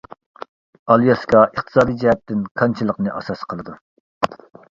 ئالياسكا ئىقتىسادىي جەھەتتىن كانچىلىقنى ئاساس قىلىدۇ.